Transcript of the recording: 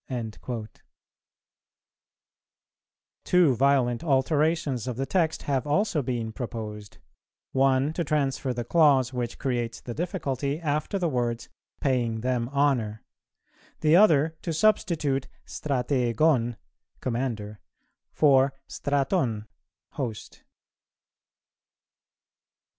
'"[414:1] Two violent alterations of the text have also been proposed: one to transfer the clause which creates the difficulty, after the words paying them honour; the other to substitute στρατηγὸν (commander) for στρατὸν (host). 4.